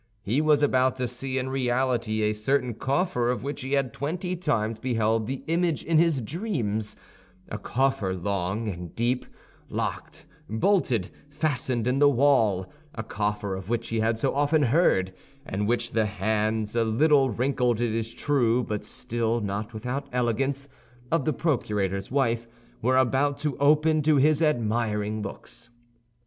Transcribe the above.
He was about to see in reality a certain coffer of which he had twenty times beheld the image in his dreams—a coffer long and deep, locked, bolted, fastened in the wall; a coffer of which he had so often heard, and which the hands—a little wrinkled, it is true, but still not without elegance—of the procurator's wife were about to open to his admiring looks.